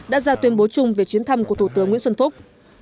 đã ra tuyên bố chung về chuyến thăm của thủ tướng nguyễn xuân phúc